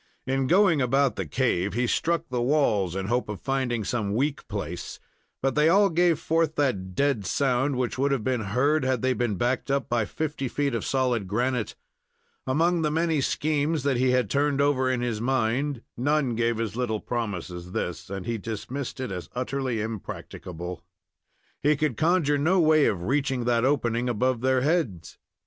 In going about the cave, he struck the walls in the hope of finding some weak place, but they all gave forth that dead sound which would have been heard had they been backed up by fifty feet of solid granite. Among the many schemes that he had turned over in his mind, none gave as little promise as this, and he dismissed it as utterly impracticable. He could conjure no way of reaching that opening above their heads.